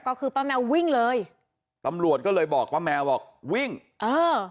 ก็คือป้าแมววิ่งเลยตำรวจก็เลยบอกป้าแมวบอกวิ่งเออ